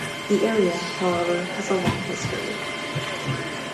The area, however, has a long history.